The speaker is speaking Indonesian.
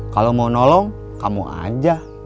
kalau mau nolong kamu aja